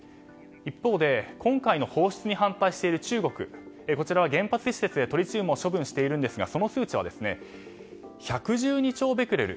一方で、今回の放出に反対している中国はこちらは原発施設やトリチウムを廃棄しているんですがその数値は１１２兆ベクレル。